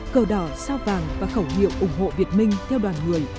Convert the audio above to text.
cờ đỏ sao vàng và khẩu hiệu ủng hộ việt minh theo đoàn người